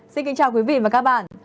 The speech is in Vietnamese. xin kính chào quý vị và các bạn